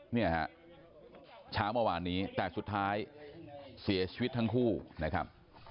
เนี่ยฮะเช้าเมื่อวานนี้แต่สุดท้ายเสียชีวิตทั้งคู่นะครับ